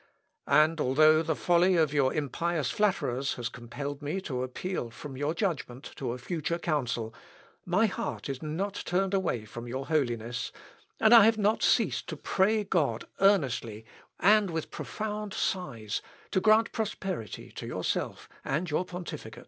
And although the folly of your impious flatterers has compelled me to appeal from your judgment to a future council, my heart is not turned away from your Holiness, and I have not ceased to pray God earnestly and with profound sighs, to grant prosperity to yourself and your pontificate.